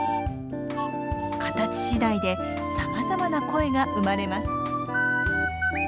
形次第でさまざまな声が生まれます。